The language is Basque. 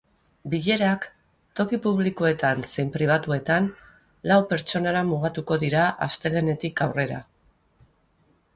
Bilerak, toki publikoetan zein pribatuetan, lau pertsonara mugatuko dira astelehenetik aurrera.